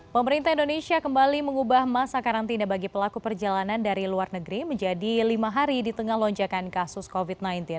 pemerintah indonesia kembali mengubah masa karantina bagi pelaku perjalanan dari luar negeri menjadi lima hari di tengah lonjakan kasus covid sembilan belas